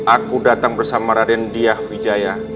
aku datang bersama raden diah wijaya